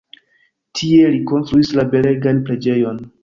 Tie li konstruis la belegan preĝejon.